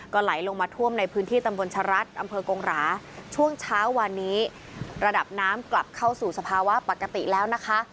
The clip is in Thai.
ไหลลงมาท่วมในพื้นที่ตำบลชะรัฐอำเภอกงหราช่วงเช้าวันนี้ระดับน้ำกลับเข้าสู่สภาวะปกติแล้วนะคะ